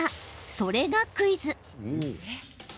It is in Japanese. それがクイズ。